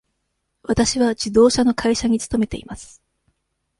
わたしは自動車の会社に勤めています。